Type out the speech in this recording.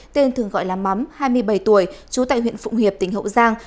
tên thường gọi là mắm hai mươi bảy tuổi trú tại huyện phụng hiệp tỉnh hậu giang